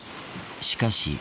しかし。